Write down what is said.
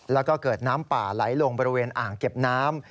แล้วก็เกิดน้ำป่าไหลลงบริเวณอ่างเก็บน้ำ